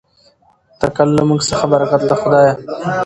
تکل له موږ څخه برکت له خدایه.